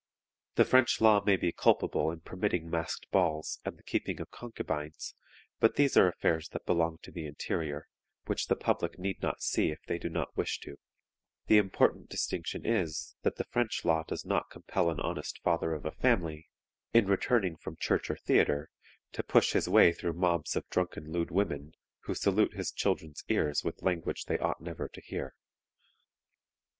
The French law may be culpable in permitting masked balls and the keeping of concubines, but these are affairs that belong to the interior, which the public need not see if they do not wish to; the important distinction is, that the French law does not compel an honest father of a family, in returning from church or theatre, to push his way through mobs of drunken lewd women, who salute his children's ears with language they ought never to hear.